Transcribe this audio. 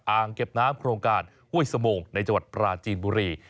อ่างเก็บน้ำโครงการห้วยสมงในจังหวัดปราจีนบุรี